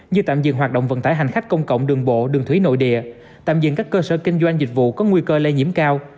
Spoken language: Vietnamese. như tạm dừng hoạt động vận tải hành khách công cộng đường bộ đường thủy nội địa tạm diện các cơ sở kinh doanh dịch vụ có nguy cơ lây nhiễm cao